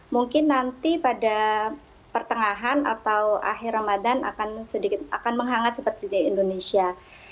mungkin nanti pada pertengahan atau akhir ramadan akan sedikit akan menghangat seperti di indonesia